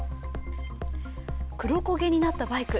黒焦げになったバイク。